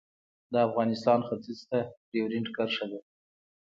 د افغانستان ختیځ ته ډیورنډ کرښه ده